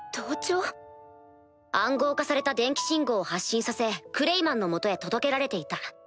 暗号化された電気信号を発信させクレイマンの元へ届けられていた。